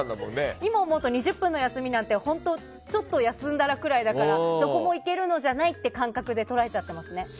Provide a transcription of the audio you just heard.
今思うと２０分の休みなんてちょっと休んだらぐらいだからどこも行けないみたいに捉えちゃってますね。